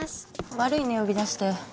悪いね呼び出して。